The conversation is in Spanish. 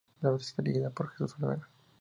La revista está dirigida por Jesús Olvera.